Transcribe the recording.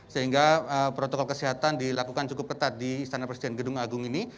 sehingga protokol kesehatan dilakukan cukup ketat di istana presiden gedung agung ini